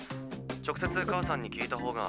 直接母さんに聞いた方が。